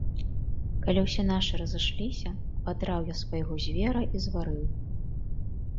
Калі ўсе нашы разышліся, абадраў я свайго звера і зварыў.